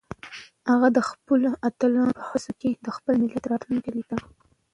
هغه د خپلو اتلانو په هڅو کې د خپل ملت راتلونکی لیده.